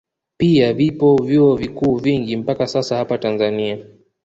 Pia vipo vyuo viku vingi mpaka sasa hapa Tanzania